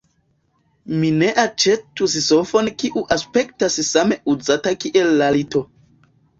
Mi ne aĉetus sofon kiu aspektas same uzita kiel la lito.